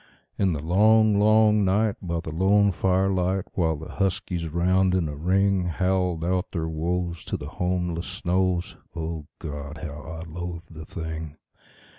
In the long, long night, by the lone firelight, while the huskies, round in a ring, Howled out their woes to the homeless snows O God! how I loathed the thing.